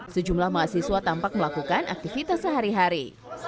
sejumlah mahasiswa tampak melakukan aktivitas sehari hari